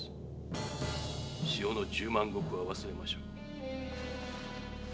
塩の十万石は忘れましょう。